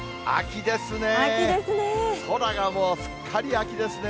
秋ですね。